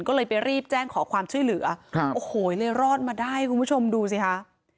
ก็เลยไปรีบแจ้งขอความช่วยเหลือครับโอ้โหเลยรอดมาได้คุณผู้ชมดูสิคะ